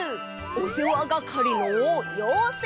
おせわがかりのようせい！